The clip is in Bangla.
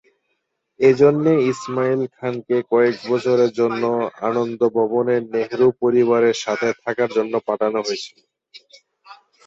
এজন্যে ইসমাইল খানকে কয়েক বছরের জন্য আনন্দ ভবনে নেহেরু পরিবারের সাথে থাকার জন্য পাঠানো হয়েছিল।